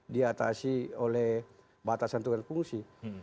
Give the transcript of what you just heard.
diatasi oleh batasan tugas fungsi